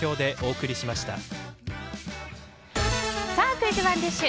クイズＯｎｅＤｉｓｈ。